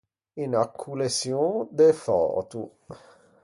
Unna colleçion de föto.